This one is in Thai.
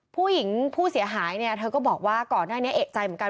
ผู้หญิงผู้เสียหายเนี่ยเธอก็บอกว่าก่อนหน้านี้เอกใจเหมือนกัน